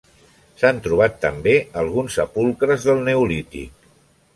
S'han trobat també alguns sepulcres del neolític.